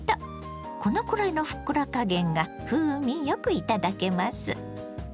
このくらいのふっくら加減が風味良くいただけます。